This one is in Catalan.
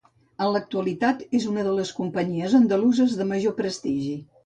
En l'actualitat és una de les companyies andaluses de major prestigi.